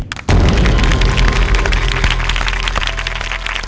หนึ่งแผนเรื่องตีทไป